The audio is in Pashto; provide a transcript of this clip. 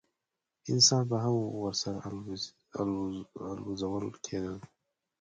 انسانان به هم ورسره الوزول کېدل.